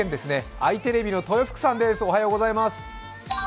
あいテレビの豊福さんです。